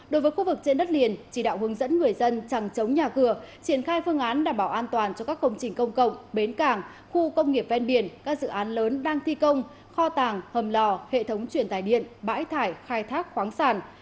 đối với khu vực trên đất liền chỉ đạo hướng dẫn người dân chẳng chống nhà cửa triển khai phương án đảm bảo an toàn cho các công trình công cộng bến cảng khu công nghiệp ven biển các dự án lớn đang thi công kho tàng hầm lò hệ thống truyền tài điện bãi thải khai thác khoáng sản